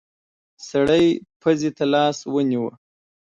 سړی پزې ته لاس ونيو.